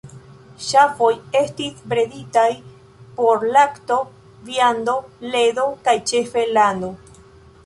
Ŝafoj estis breditaj por lakto, viando, ledo kaj ĉefe lano.